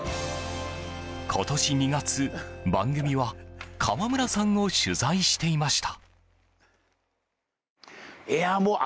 今年２月、番組は川村さんを取材していました。